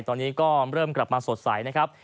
ตอนนี้ก็เริ่มกลับมาสดใสนะครับ